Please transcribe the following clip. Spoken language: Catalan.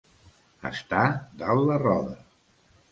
Estar dalt la roda.